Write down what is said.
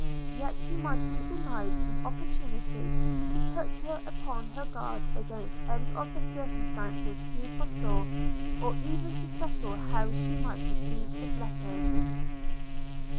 Yet he might be denied an opportunity to put her upon her guard against any of the circumstances he foresaw, or even to settle how she might receive his letters.